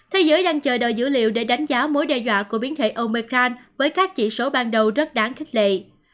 thế giới đang chờ đợi dữ liệu để đánh giá mối đe dọa của biến thể omecrand với các chỉ số ban đầu rất đáng khích lệ